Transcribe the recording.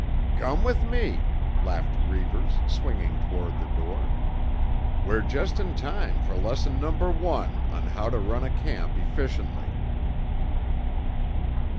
"Come with me," laughed Reivers, swinging toward the door. "We're just in time for lesson number one on how to run a camp efficiently."